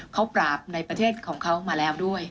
เขาปราบในประเทศของเขามาแล้วด้วย